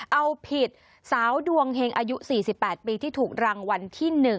เอาผิดสาวดวงเฮงอายุ๔๘ปีที่ถูกรางวัลที่๑